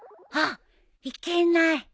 あっいけない。